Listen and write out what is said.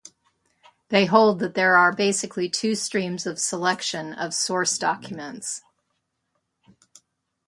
They hold that there are basically two streams of selection of source documents.